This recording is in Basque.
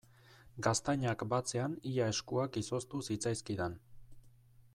Gaztainak batzean ia eskuak izoztu zitzaizkidan.